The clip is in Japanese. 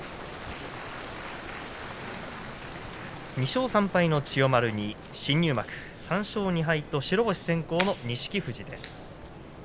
２勝３敗の千代丸に新入幕３勝２敗と白星先行の錦富士です。